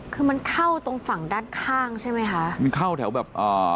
คือมันเข้าตรงฝั่งด้านข้างใช่ไหมคะมันเข้าแถวแบบอ่า